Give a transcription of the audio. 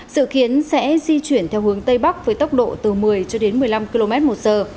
dự kiến sẽ di chuyển theo hướng tây bắc với tốc độ từ một mươi cho đến một mươi năm km một giờ